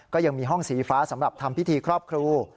ก็ยังมีห้องสีฟ้าสำหรับทำพิธีครอบครู